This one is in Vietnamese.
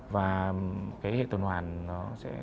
và cái hệ tuần hoàn nó sẽ